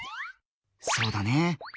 そうだね。